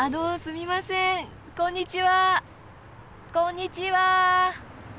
こんにちは！